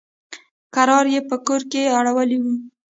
کرار يې په کور کښې اړولي وو.